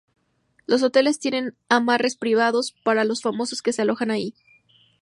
Los hoteles tienen amarres privados para los famosos que se alojan allí.